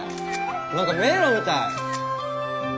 何か迷路みたい。